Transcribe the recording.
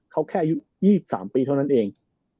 เขาแค่อายุ๒๓ปีเท่านั้นเอง